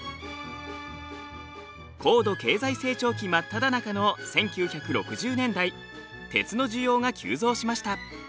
高度経済成長期真っただ中の１９６０年代鉄の需要が急増しました。